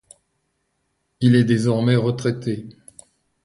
Il est désormais retraité.